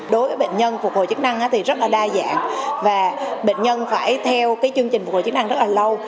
đối với bệnh nhân phục hồi chức năng thì rất là đa dạng và bệnh nhân phải theo chương trình phục hồi chức năng rất là lâu